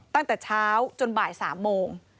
ตั้งแต่เช้าจนบ่าย๓โมง